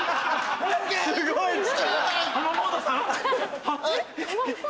すごい力。